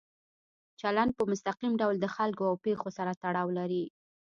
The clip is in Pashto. چلند په مستقیم ډول د خلکو او پېښو سره تړاو لري.